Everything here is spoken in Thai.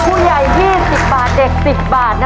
ผู้ใหญ่ยี่สิบบาทเด็กสิบบาท